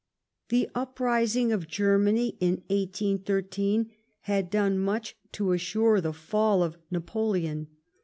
The uprising of Germany in 1813 had done much to assure the fall of Napoleon.